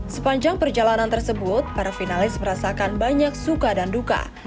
sepanjang perjalanan tersebut para finalis merasakan banyak suka dan duka